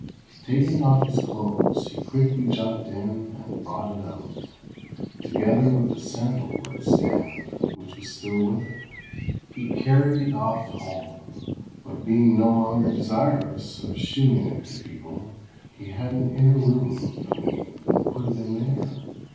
Taking off his clothes he quickly jumped in and brought it out, together with the sandal wood stand which was still with it. He carried it off home, but being no longer desirous of shewing it to people, he had an inner room cleaned and put it in there.